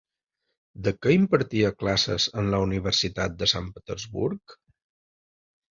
De què impartia classes en la Universitat de Sant Petersburg?